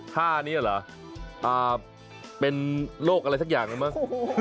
ท่านี้เหรอเป็นโรคอะไรสักอย่างแล้วมั้ง